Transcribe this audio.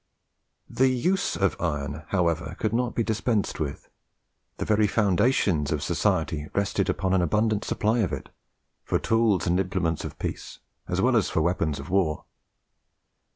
The use of iron, however, could not be dispensed with. The very foundations of society rested upon an abundant supply of it, for tools and implements of peace, as well as for weapons of war.